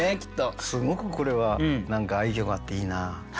すごくこれは愛きょうがあっていいなあ。